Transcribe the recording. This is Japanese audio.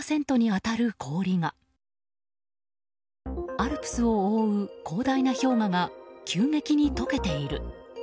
アルプスを覆う広大な氷河が急激に溶けている。